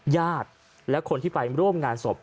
ญาติและคนที่ไปร่วมงานศพ